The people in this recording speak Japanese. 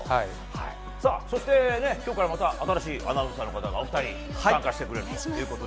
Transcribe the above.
そして今日からまた新しいアナウンサーの方がお二人、参加してくれます。